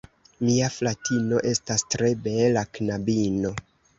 Mia fratino estas tre bela knabino.